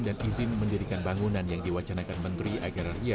dan izin mendirikan bangunan yang diwacanakan menteri agraria